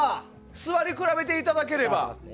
座り比べていただければ。